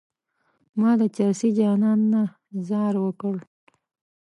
ما د چرسي جانان نه ځار وکړ.